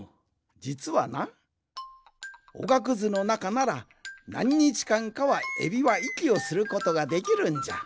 じつはなおがくずのなかならなんにちかんかはエビはいきをすることができるんじゃ。